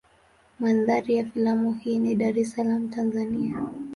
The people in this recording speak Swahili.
Mandhari ya filamu hii ni Dar es Salaam Tanzania.